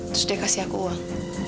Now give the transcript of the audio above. terus dia kasih aku uang